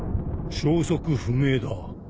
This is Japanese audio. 消息不明だ。